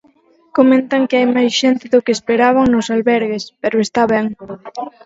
Comentan que hai máis xente do que esperaban nos albergues, pero está ben.